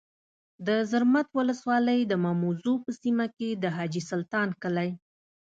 د زرمت ولسوالۍ د ماموزو په سیمه کي د حاجي سلطان کلی